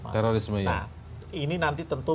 nah ini nanti tentu